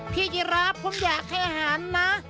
พี่จิราผมอยากให้อาหารนะ